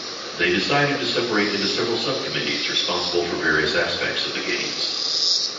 They decided to separate into several sub-committees responsible for various aspects of the Games.